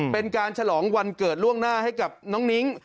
เป็นการฉลองวันเกิดล่วงหน้าให้กับน้องนิ้ง